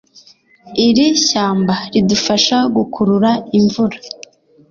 Iri shyamba ridufasha gukurura imvura